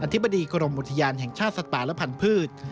ธิบดีกรมอุทยานแห่งชาติสัตว์ป่าและพันธุ์